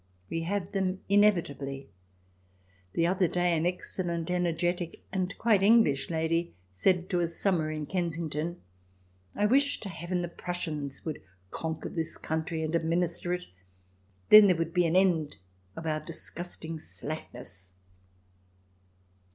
We have them inevitably. The other day an excellent, energetic, and quite English lady said to us some where in Kensington :" I wish to heaven the Prussians would conquer this country and ad minister it. Then there would be an end of our disgusting slackness."